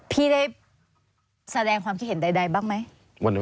พี่ได้แสดงความคิดเห็นใดบ้างไหม